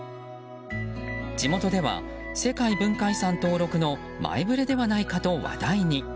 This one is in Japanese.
地元では世界文化遺産登録の前触れではないかと話題に。